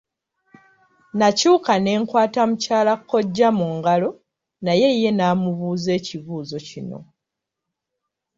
Nakyuka ne nkwata mukyala kkojja mu ngalo naye ye namubuuza ekibuuzo kino.